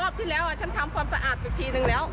ที่แล้วฉันทำความสะอาดไปทีนึงแล้ว